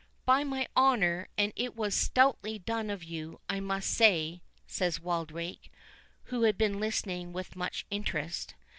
"By my honour, and it was stoutly done of you, I must say," said Wildrake,—who had been listening with much interest.